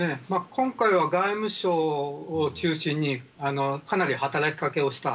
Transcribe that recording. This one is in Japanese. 今回は外務省を中心にかなり働き掛けをした。